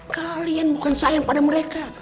kalian bukan sayang pada mereka